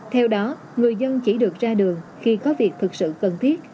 theo đó người dân chỉ được ra đường khi có việc thực sự cần thiết